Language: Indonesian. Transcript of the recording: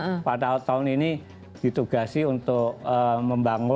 oh iya betul ini fantastis memang pada tahun ini ditugasi untuk membangun satu ratus tiga puluh empat tersebut